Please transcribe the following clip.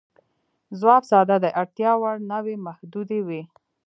ځواب ساده دی، اړتیا وړ نوعې محدودې وې.